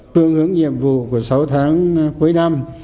phương hướng nhiệm vụ của sáu tháng cuối năm